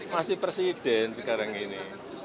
masih presiden sekarang ini